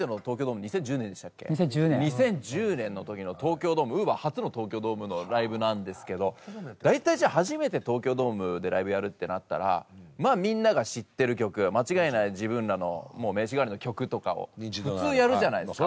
２０１０年の時の東京ドームＵＶＥＲ初の東京ドームのライブなんですけど大体初めて東京ドームでライブやるってなったらみんなが知ってる曲間違いない自分らの名刺代わりの曲とかを普通やるじゃないですか。